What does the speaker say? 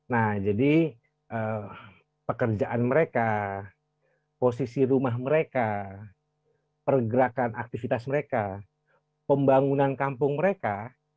nah jadi pekerjaan mereka posisi rumah mereka pergerakan aktivitas mereka pembangunan kampung mereka